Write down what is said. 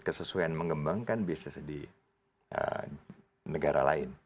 kesesuaian mengembangkan bisnis di negara lain